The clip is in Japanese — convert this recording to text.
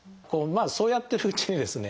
そうやってるうちにですね